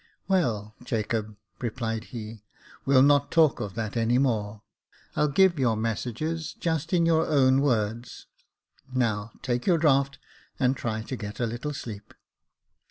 "Well, Jacob," replied he, "we'll not talk of that any more. I'll give your messages just in your own words. Now, take your draught, and try to get a little sleep."